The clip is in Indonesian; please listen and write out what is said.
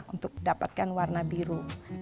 untuk dapatkan warna biru